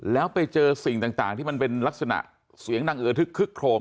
แล้วไปเจอสิ่งต่างที่มันเป็นลักษณะเสียงดังเอือทึกคึกโครม